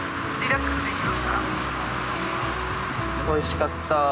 おいしかった。